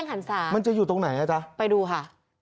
หันศามันจะอยู่ตรงไหนอ่ะจ๊ะไปดูค่ะ